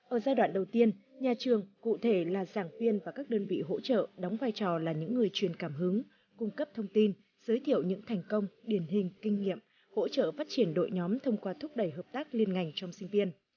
ở giai đoạn đầu tiên nhà trường cụ thể là giảng viên và các đơn vị hỗ trợ đóng vai trò là những người truyền cảm hứng cung cấp thông tin giới thiệu những thành công điển hình kinh nghiệm hỗ trợ phát triển đội nhóm thông qua thúc đẩy hợp tác liên ngành trong sinh viên